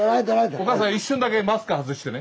お母さん一瞬だけマスク外してね。